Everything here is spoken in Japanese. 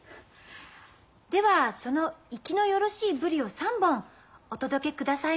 ではその生きのよろしいブリを３本お届けくださいませ。